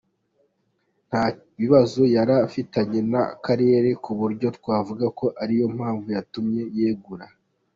Nta bibazo yari afitanye n’akarere ku buryo twavuga ko ariyo mpamvu yatumye yegura.